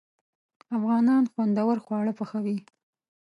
افغانان خوندور خواړه پخوي.